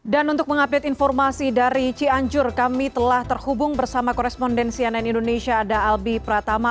dan untuk mengupdate informasi dari cianjur kami telah terhubung bersama korespondensi ann indonesia ada albi pratama